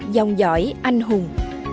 dòng giỏi anh hùng